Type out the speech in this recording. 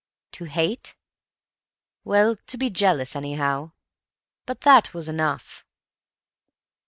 To hate? Well, to be jealous, anyhow. But that was enough.